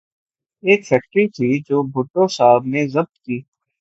ایک فیکٹری تھی جو بھٹو صاحب نے ضبط کی۔